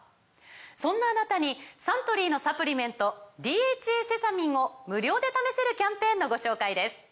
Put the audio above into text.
そんなあなたにサントリーのサプリメント「ＤＨＡセサミン」を無料で試せるキャンペーンのご紹介です